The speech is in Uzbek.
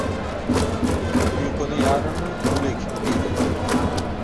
Uyquni yarim o‘lik deydilar.